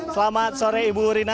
selamat sore ibu rina